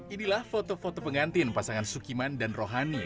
inilah foto foto pengantin pasangan sukiman dan rohani